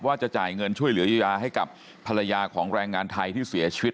ว่าจะจ่ายเงินช่วยเหลือเยียวยาให้กับภรรยาของแรงงานไทยที่เสียชีวิต